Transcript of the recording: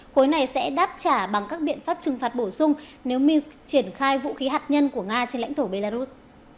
khối này sẽ đáp trả bằng các biện pháp trừng phạt bổ sung nếu mins triển khai vũ khí hạt nhân của nga trên lãnh thổ belarus